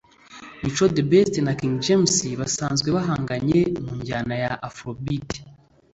Mico The Best na King James basanzwe bahanganye mu njyana ya Afrobeat